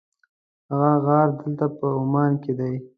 هغه غار دلته په عمان کې دی.